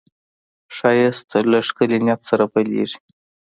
ښایست له ښکلي نیت سره پیلېږي